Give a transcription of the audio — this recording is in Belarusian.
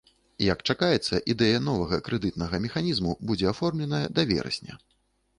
Як чакаецца, ідэя новага крэдытнага механізму будзе аформленая да верасня.